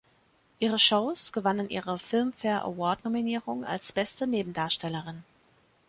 Ihre Shows gewannen ihre Filmfare Award-Nominierung als beste Nebendarstellerin.